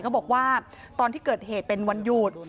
บอกว่าตอนที่เกิดเหตุเป็นวันหยุด